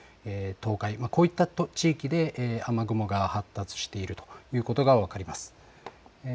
こういった地域で、雨雲が発達しているということが分かります。